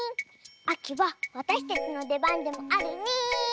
あきはわたしたちのでばんでもあるリーン。